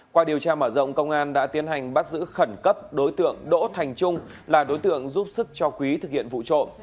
qua điều tra mở rộng công an đã tiến hành bắt giữ khẩn cấp đối tượng đỗ thành trung là đối tượng giúp sức cho quý thực hiện vụ trộm